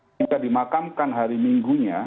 kita dimakamkan hari minggunya